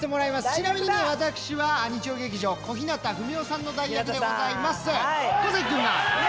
ちなみに私は、日曜劇場の小日向文世さんの代役でございます。